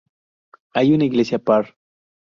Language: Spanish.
Hay una iglesia parr.